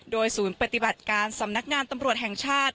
โดยศูนย์ปฏิบัติการสำนักงานตำรวจแห่งชาติ